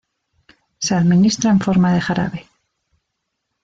Se administra en forma de jarabe.